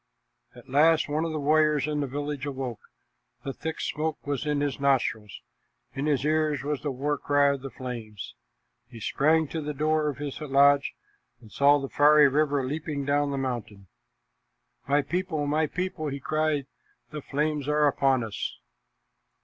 At last, one of the warriors in the village awoke. The thick smoke was in his nostrils. In his ears was the war cry of the flames. He sprang to the door of his lodge and saw the fiery river leaping down the mountain. "My people, my people," he cried, "the flames are upon us!"